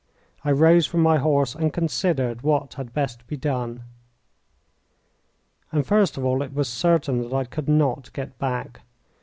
I rose from my horse and considered what had best be done. And first of all it was certain that I could not get back.